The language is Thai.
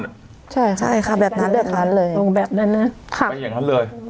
ใช่ค่ะแบบนั้นแบบนั้นเลยลงแบบนั้นนะค่ะไปอย่างนั้นเลย